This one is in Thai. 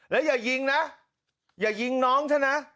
แล้วอย่ายิงนะอย่ายิงน้องฉันนะ